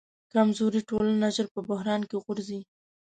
کمزورې ټولنه ژر په بحران کې غورځي.